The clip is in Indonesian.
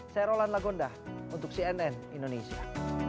saya rolan lagonda untuk cnn indonesia